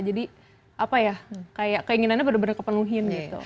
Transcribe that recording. jadi apa ya kayak keinginannya benar benar kepenuhin gitu